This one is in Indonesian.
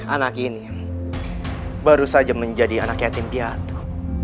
anak ini baru saja menjadi anak yatim piatu